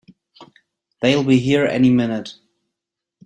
They'll be here any minute!